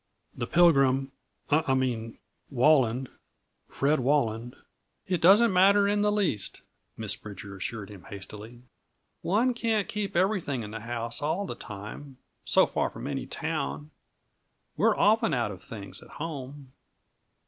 "The Pilgrim I mean Walland Fred Walland " "It doesn't matter in the least," Miss Bridger assured him hastily. "One can't keep everything in the house all the time, so far from any town. We're often out of things, at home.